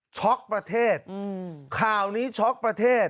ประเทศข่าวนี้ช็อกประเทศ